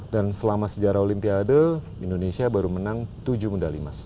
dan selama sejarah olimpiade indonesia baru menang tujuh medali emas